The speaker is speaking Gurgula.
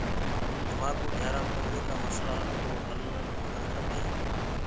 همآ ڪو گھيآرآ ڪومي ڪآ مسلآ ڪو هل ڍونڊڻ کپي۔